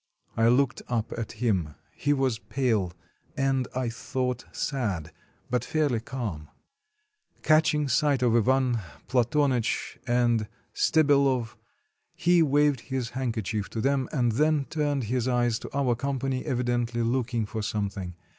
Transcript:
I looked up at him; he was pale, and, I thought, sad, but fairly calm. Catching sight of Ivan Platonych and Stebellov he waved his handkerchief to them, and then turned his eyes to our company, evidently looking for something.